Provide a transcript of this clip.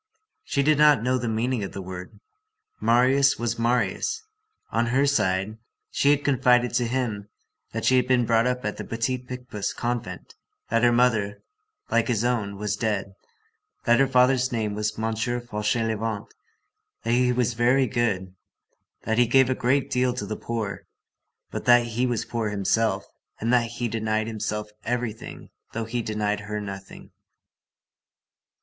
She did not know the meaning of the word. Marius was Marius. On her side, she had confided to him that she had been brought up at the Petit Picpus convent, that her mother, like his own, was dead, that her father's name was M. Fauchelevent, that he was very good, that he gave a great deal to the poor, but that he was poor himself, and that he denied himself everything though he denied her nothing.